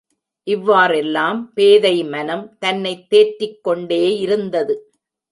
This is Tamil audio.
இவ்வாறெல்லாம் பேதைமனம் தன்னைத் தேற்றிக்கொண்டே இருந்தது.